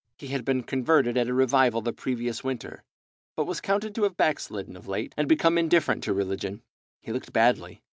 He had been converted at a revival the previous winter, but was counted to have backslidden of late, and become indifferent to religion. He looked badly.